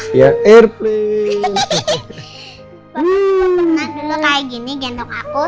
bapak juga pernah dulu kayak gini gendong aku